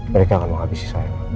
mereka akan menghabisi saya